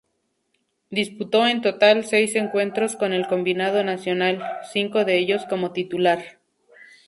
Disputó en total seis encuentros con el combinado nacional, cinco de ellos como titular.